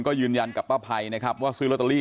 ก็ยืนยันกับป้าภัยนะครับว่าซื้อลอตเตอรี่